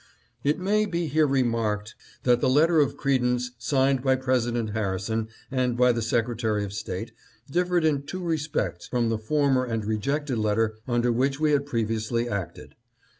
" It may be here remarked that the letter of credence signed by President Harrison and by the Secretary of State differed in two respects from the former and rejected letter under which we had previously acted.